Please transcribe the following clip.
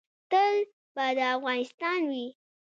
تل به دا افغانستان وي